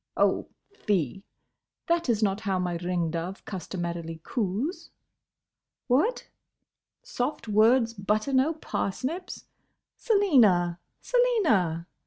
—Oh! fie! That is not how my ring dove customarily coos.—What? soft words butter no parsnips?—Selina, Selina—!